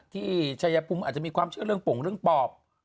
ชายภูมิอาจจะมีความเชื่อเรื่องโป่งเรื่องปอบ